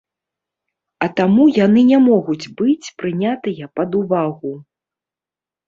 А таму яны не могуць быць прынятыя пад увагу.